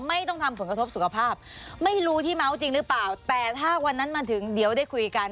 ไม่ต้องทำผลกระทบสุขภาพไม่รู้ที่เมาส์จริงหรือเปล่าแต่ถ้าวันนั้นมาถึงเดี๋ยวได้คุยกัน